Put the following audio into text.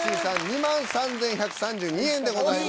２万３，１３２円でございました。